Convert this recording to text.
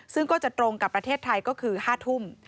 ซึ่งก็จะตรงกับประเทศไทยก็คือ๕ทุ่ม